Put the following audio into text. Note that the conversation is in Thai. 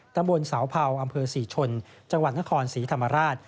ตำบลเสาเผาอำเภอศรีชนจังหวัดนครศรีธรรมราช